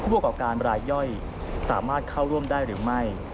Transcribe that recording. ประกอบการรายย่อยสามารถเข้าร่วมได้หรือไม่